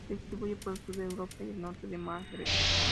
Se distribuye por el sur de Europa y el norte del Magreb.